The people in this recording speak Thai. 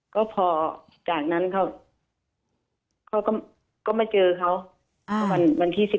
ก็พอจากนั้นเขาก็มาเจอเขาวันที่๑๑